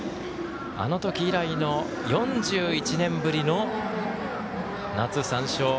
あのとき以来の４１年ぶりの夏、３勝。